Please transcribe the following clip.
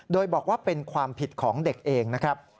โดยบอกว่าเป็นความผิดของเด็กเองนะครับ